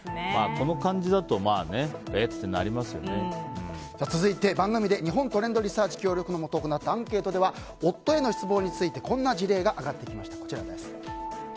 この感じだと続いて、番組で日本トレンドリサーチ協力のもと行ったアンケートでは夫への失望についてこんな事例が上がってきました。